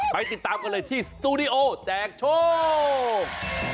ไปติดตามกันเลยที่สตูดิโอแจกโชค